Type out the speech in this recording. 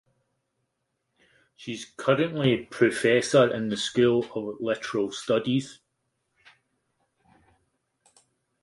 She is currently Professor in the School of Literary Studies.